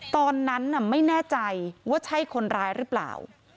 ตอนนั้นไม่แน่ใจว่าใช่คนร้ายหรือเปล่า